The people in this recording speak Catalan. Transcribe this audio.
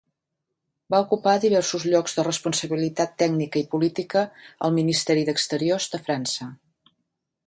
Va ocupar diversos llocs de responsabilitat tècnica i política al Ministeri d'Exteriors de França.